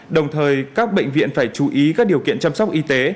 đồng thời các bệnh viện phải chú ý các điều kiện chăm sóc y tế